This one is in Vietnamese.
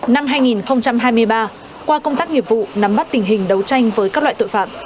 năm hai nghìn hai mươi ba qua công tác nghiệp vụ nắm bắt tình hình đấu tranh với các loại tội phạm